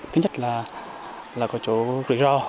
thứ nhất là có chỗ rủi ro